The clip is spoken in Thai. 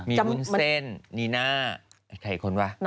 มีวุ้นเซ่นนีน่าใครอีกคนวะ